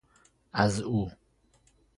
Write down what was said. از او